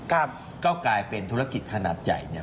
ก็กลายเป็นธุรกิจขนาดใหญ่เนี่ย